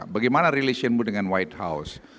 bagaimana relationmu dengan white house